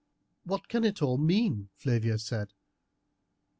"What can it all mean?" Flavia said.